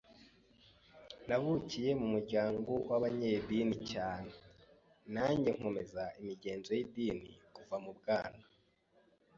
Navukiye mu muryango w’abanyedini cyane, nanjye nkomeza imigenzo y’idini kuva mu bwana